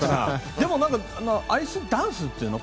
でもアイスダンスというの？